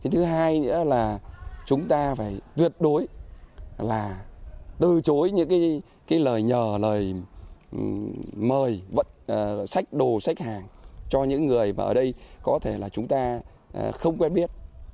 thứ hai nữa là chúng ta phải tuyệt đối là từ chối những lời nhờ lời mời sách đồ sách hàng cho những người mà ở đây có thể là chúng ta không quen biết